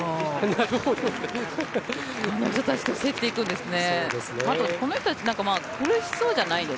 彼女たちと競っていくんですね。